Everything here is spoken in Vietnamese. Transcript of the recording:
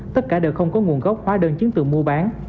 tất cả đều không có nguồn gốc khóa đơn chiến tượng mua bán